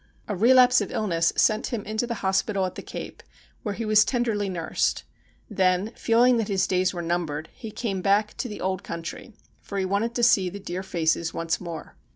A relapse of illness sent him into the hospital at the Cape, where he was tenderly nursed. Then, feeling that his days were numbered, he came back to the old country, for he wanted to see the dear faces once more.